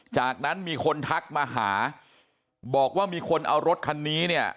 จากนั้นมีคนทักมาหาบอกว่ามีคนเอารถคันนี้เนี่ย